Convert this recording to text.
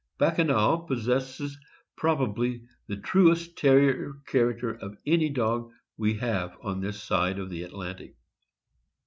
Bacchanal pos sesses probably the truest Terrier character of any dog we have on this side of the Atlantic.